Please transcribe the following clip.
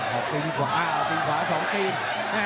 เอาตีนขวา๒ตีน